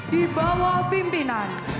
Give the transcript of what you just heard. di bawah pimpinan